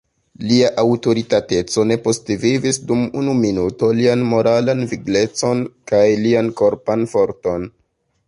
Lia aŭtoritateco ne postvivis dum unu minuto lian moralan viglecon kaj lian korpan forton.